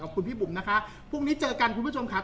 ขอบคุณพี่บุ๋มนะคะพรุ่งนี้เจอกันคุณผู้ชมครับ